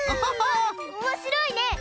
おもしろいね！